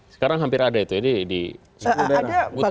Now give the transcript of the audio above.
sekarang hampir ada itu ya di sepuluh daerah